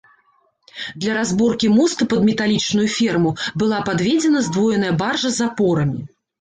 Для разборкі моста пад металічную ферму была падведзена здвоеная баржа з апорамі.